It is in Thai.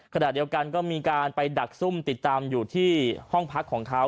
ขณะเดียวกันก็มีการไปดักซุ่มติดตามอยู่ที่ห้องพักของเขา